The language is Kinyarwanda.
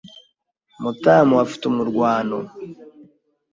Mutamu afite umurwano